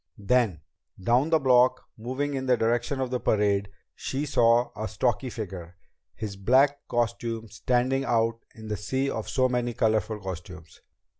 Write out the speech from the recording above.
Then, down the block, moving in the direction of the parade, she saw a stocky figure, his black costume standing out in the sea of so many colorful costumes.